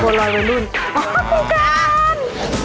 คุณกัน